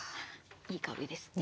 いい香りですね。